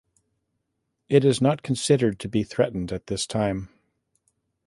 It is not considered to be threatened at this time.